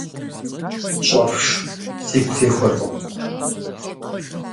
Щӏэфш, сигу техуэркъым.